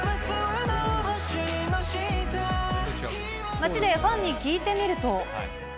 街でファンに聞いてみると。